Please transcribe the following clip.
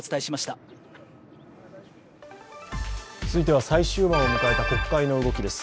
続いては最終盤を迎えた国会の動きです。